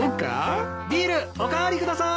ビールお代わりください！